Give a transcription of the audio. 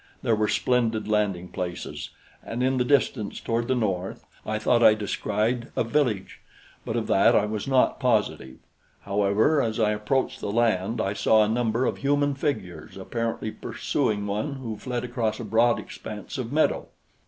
There were splendid landing places, and in the distance, toward the north, I thought I descried a village; but of that I was not positive. However, as I approached the land, I saw a number of human figures apparently pursuing one who fled across a broad expanse of meadow.